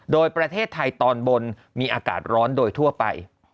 โดยประเทศไทยตอนบนมีอากาศร้อนโดยทั่วไป